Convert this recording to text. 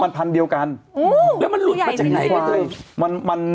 มันพันเดียวกันแล้วมันหลุดมาจากไหนกันเลย